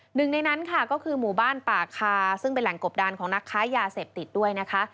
หนึ่งในนั้นค่ะก็คือหมู่บ้านป่าคาซึ่งเป็นแหล่งกบดานของนักค้ายาเสพติดด้วยนะคะ